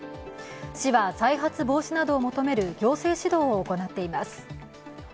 市は再発防止などを求める行政指導を行っています。